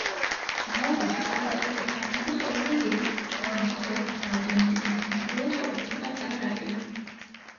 ნაურუში ტერიტორიის ფართობით ყველაზე დიდი, ხოლო მოსახლეობის რაოდენობით და სიმჭიდროვით ყველაზე პატარა რაიონი.